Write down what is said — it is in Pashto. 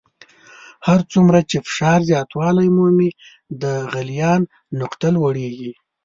هر څومره چې فشار زیاتوالی مومي د غلیان نقطه لوړیږي.